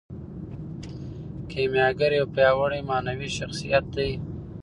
کیمیاګر یو پیاوړی معنوي شخصیت دی.